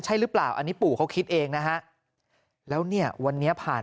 ใช่หรือเปล่าอันนี้ปู่เขาคิดเองนะฮะแล้วเนี่ยวันนี้ผ่าน